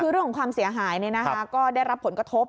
คือเรื่องของความเสียหายก็ได้รับผลกระทบ